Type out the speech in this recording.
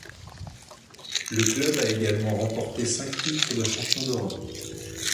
Le club a également remporté cinq titres de Champion d'Europe.